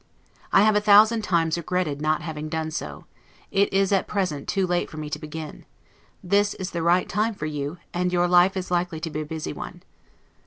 I have a thousand times regretted not having done so; it is at present too late for me to begin; this is the right time for you, and your life is likely to be a busy one.